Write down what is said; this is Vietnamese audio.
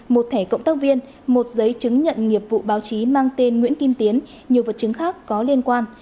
một thẻ cộng tác viên một giấy chứng nhận nghiệp vụ báo chí mang tên nguyễn kim tiến nhiều vật chứng khác có liên quan